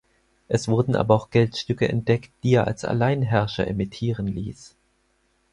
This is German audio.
Es wurden aber auch Geldstücke entdeckt, die er als Alleinherrscher emittieren ließ.